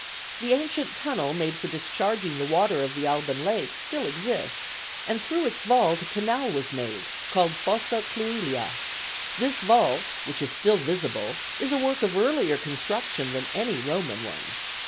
The ancient tunnel made for discharging the water of the Alban Lake still exists, and through its vault a canal was made called Fossa Cluilia: this vault, which is still visible, is a work of earlier construction than any Roman one.